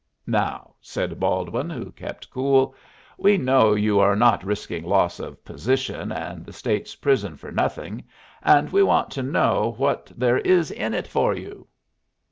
"Now," said Baldwin, who kept cool, "we know you are not risking loss of position and the State's prison for nothing, and we want to know what there is in it for you?"